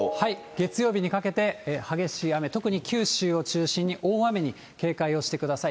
月曜日にかけて、激しい雨、特に九州を中心に大雨に警戒をしてください。